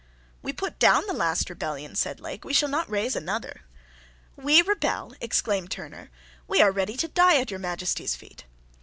"We put down the last rebellion," said Lake, "we shall not raise another." "We rebel!" exclaimed Turner; "we are ready to die at your Majesty's feet."